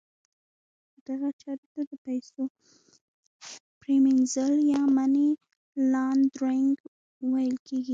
دغه چارې ته د پیسو پریمینځل یا Money Laundering ویل کیږي.